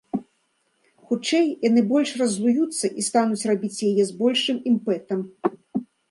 Хутчэй, яны больш раззлуюцца, і стануць рабіць яе з большым імпэтам.